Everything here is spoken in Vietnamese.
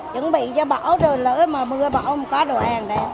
chuẩn bị cho bão rồi lỡ mà mưa bão có đồ hàng đấy